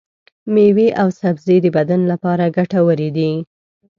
ميوې او سبزي د بدن لپاره ګټورې دي.